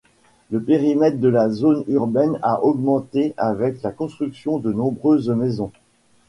Le périmètre de la zone urbaine a augmenté avec la construction de nombreuses maisons.